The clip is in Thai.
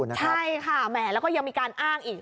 ใช่ค่ะแหมแล้วก็ยังมีการอ้างอีก